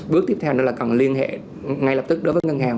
bước tiếp theo nữa là cần liên hệ ngay lập tức đối với ngân hàng